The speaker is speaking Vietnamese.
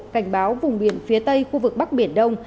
cảnh báo vùng biển phía tây khu vực bắc biển đông